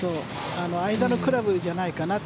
間のクラブじゃないかなって。